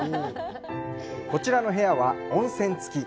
こちらの部屋は、温泉つき。